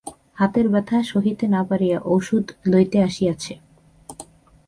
হাতের ব্যথা সহিতে না পারিয়া ওষুধ লইতে আসিয়াছে।